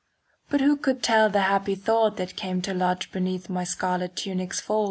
But who could tell the happy thought that came To lodge beneath my scarlet tunic's fold?